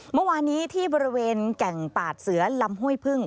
เมื่อวานนี้ที่บริเวณแก่งปาดเสือลำห้วยพึ่ง